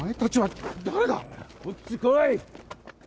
こっち来い。